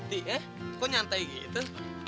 tak ada apa yang nggak ada